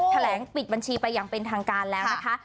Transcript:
แถลงปิดบัญชีไปอย่างเป็นทางการแล้วนะคะ